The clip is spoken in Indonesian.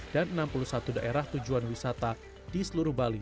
dan enam puluh satu daerah tujuan wisata di seluruh bali